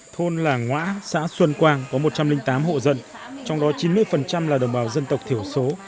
thôn làng ngoã xã xuân quang có một trăm linh tám hộ dân trong đó chín mươi là đồng bào dân tộc thiểu số